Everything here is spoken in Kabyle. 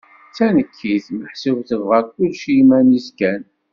D tanekkit, meḥsub tebɣa kullec i iman-is kan.